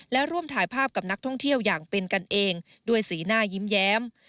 และร่วมถ่ายภาพกับนักท่องเที่ยวอย่างเป็นกันเองด้วยสีหน้ายิ้มแย้ม